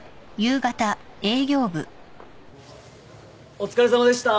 お疲れさまでした。